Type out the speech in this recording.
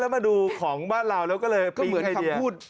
แล้วมาดูของบ้านเราแล้วก็เลยเปลี่ยนคำพูด